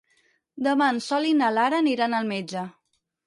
Demà en Sol i na Lara aniran al metge.